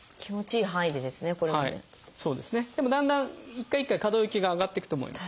でもだんだん一回一回可動域が上がっていくと思います。